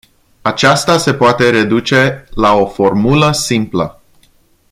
Aceasta se poate reduce la o formulă simplă.